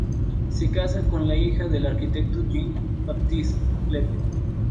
Se casa con la hija del arquitecto Jean-Baptiste Lepe.